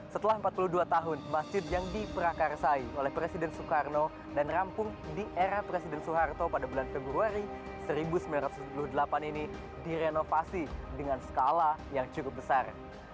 setelah empat puluh dua tahun masjid yang diperakarsai oleh presiden soekarno dan rampung di era presiden soeharto pada bulan februari seribu sembilan ratus tujuh puluh delapan ini direnovasi dengan skala yang cukup besar